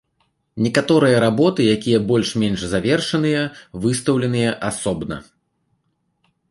Некаторыя работы, якія больш-менш завершаныя, выстаўленыя асобна.